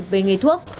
về nghề thuốc